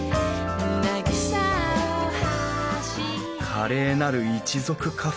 「華麗なる一族カフェ。